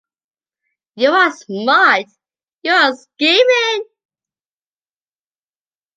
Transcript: You are smart, you are scheming!